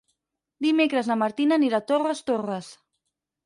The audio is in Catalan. Dimecres na Martina anirà a Torres Torres.